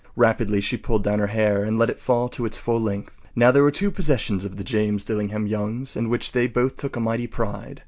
Rapidly she pulled down her hair and let it fall to its full length. Now, there were two possessions of the James Dillingham Youngs in which they both took a mighty pride.